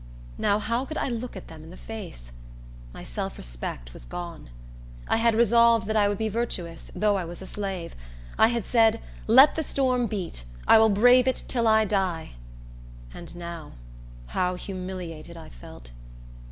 Now, how could I look at them in the face? My self respect was gone! I had resolved that I would be virtuous, though I was a slave. I had said, "Let the storm beat! I will brave it till I die." And now, how humiliated I felt!